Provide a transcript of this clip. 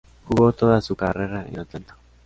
Jugó toda su carrera en Atlanta.